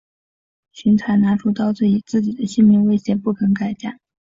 荀采拿出刀子以自己的性命威胁不肯改嫁。